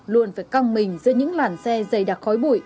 luôn phải căng mình giữa những làn xe dày đặc khói bụi